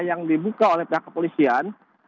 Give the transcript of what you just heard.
yang dibuka oleh pihak kepolisian